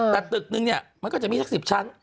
แต่ตึกหนึ่งมี๑๐ชั้น